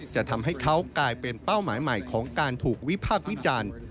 จะทำให้เขากลายเป็นเป้าหมายใหม่ของการถูกวิพากษ์วิจารณ์